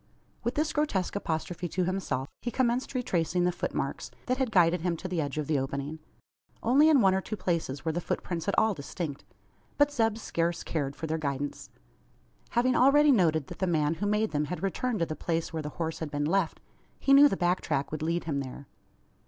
With this grotesque apostrophe to himself, he commenced retracing the footmarks that had guided him to the edge of the opening. Only in one or two places were the footprints at all distinct. But Zeb scarce cared for their guidance. Having already noted that the man who made them had returned to the place where the horse had been left, he knew the back track would lead him there.